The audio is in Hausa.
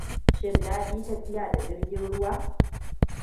Shin dadi tafiya da jirgi ruwa?